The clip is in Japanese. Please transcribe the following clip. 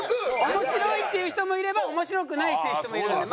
面白いっていう人もいれば面白くないっていう人もいるんで。